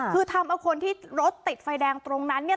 คือทำให้คนที่รถติดไฟแดงตรงนั้น